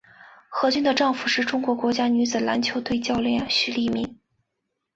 何军的丈夫是中国国家女子篮球队教练许利民。